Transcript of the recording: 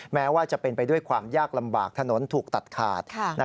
แม้ว่าจะเป็นไปด้วยความยากลำบากถนนถูกตัดขาด